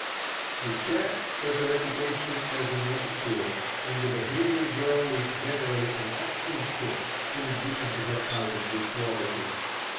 The Czech has a reputation as an epicure, and the Bohemian girl is generally an excellent cook, in addition to her other good qualities.